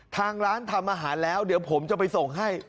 ทางร้านทำอาหารแล้วเดี๋ยวผมจะไปส่งให้